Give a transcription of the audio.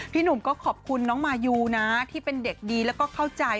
หนุ่มก็ขอบคุณน้องมายูนะที่เป็นเด็กดีแล้วก็เข้าใจ